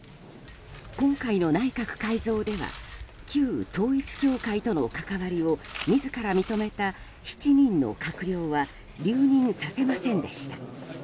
今回の内閣改造では旧統一教会との関わりを自ら認めた７人の閣僚は留任させませんでした。